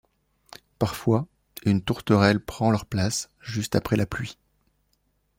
Parfois, une tourterelle prend leur place, juste après la pluie.